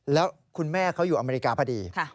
แล้วคุณแม่เขาอยู่อเมริกาพอดี